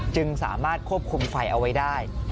จึงสามารถควบคุมไฟเอาไว้ได้